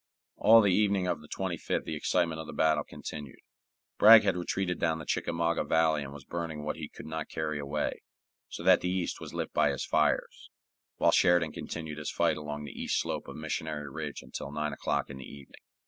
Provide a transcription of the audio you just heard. All the evening of the 25th the excitement of the battle continued. Bragg had retreated down the Chickamauga Valley and was burning what he could not carry away, so that the east was lit by his fires, while Sheridan continued his fight along the east slope of Missionary Ridge until nine o'clock in the evening.